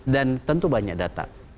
dan tentu banyak data